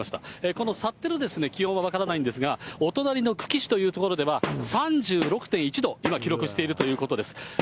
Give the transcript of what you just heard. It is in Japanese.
この幸手の気温は分からないんですが、お隣の久喜市という所では、３６．１度、今、記録しているということです。